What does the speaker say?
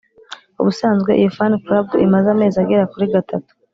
ubusanzwe iyo fan club imaze amezi agera kuri gatatu